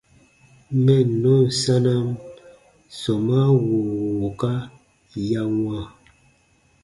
Mɛnnɔn sanam sɔmaa wùu wùuka ya wãa.